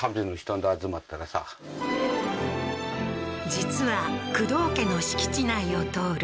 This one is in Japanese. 実は工藤家の敷地内を通る